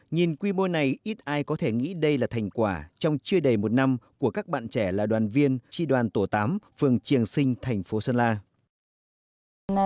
nhìn quy mô này ít ai có thể nghĩ đây là thành quả trong chưa đầy một năm của các bạn trẻ là đoàn viên tri đoàn tổ tám phường triềng sinh thành phố sơn la